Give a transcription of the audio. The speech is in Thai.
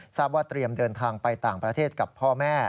ทราบว่าเตรียมเดินทางไปต่างประเทศกับพ่อแม่